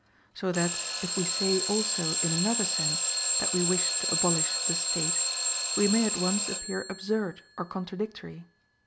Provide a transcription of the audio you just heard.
So that if we say also in another sense that we wish to abolish the State, we may at once appear absurd or contradictory.